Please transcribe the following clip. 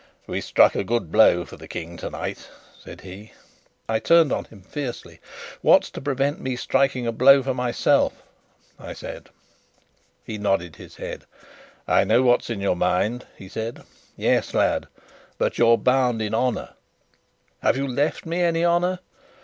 "We struck a good blow for the King tonight," said he. I turned on him fiercely. "What's to prevent me striking a blow for myself?" I said. He nodded his head. "I know what's in your mind," he said. "Yes, lad; but you're bound in honour." "Have you left me any honour?"